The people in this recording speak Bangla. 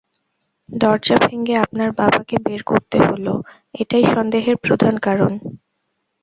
দরজা ভেঙে আপনার বাবাকে বের করতে হল, এটাই সন্দেহের প্রধান কারণ।